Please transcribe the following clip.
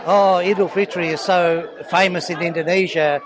oh idul fitri sangat terkenal di indonesia